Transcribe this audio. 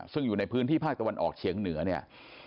ซึ่งอยู่ในพื้นที่ภาคตะวันออกเฉียงเหนือเนี่ย